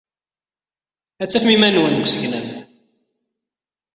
Ad d-tafem iman-nwen deg usegnaf.